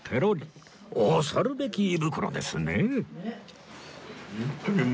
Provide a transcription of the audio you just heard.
恐るべき胃袋ですねえ